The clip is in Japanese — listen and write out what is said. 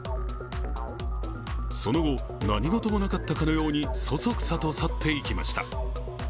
その後、何事もなかったかのようにそそくさと去っていきました。